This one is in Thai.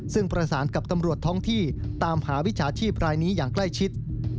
ซึ่งประสานกับตำรวจท้องที่ตามหาวิชาชีพรายนี้อย่างใกล้ชิด